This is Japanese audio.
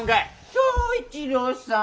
正一郎さん。